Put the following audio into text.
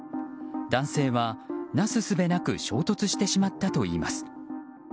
男性は、なすすべなく衝突してしまったといいます。